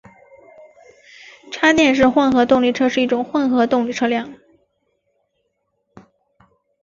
插电式混合动力车是一种混合动力车辆。